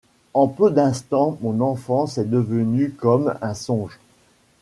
En peu d’instants mon enfance est devenue comme un songe.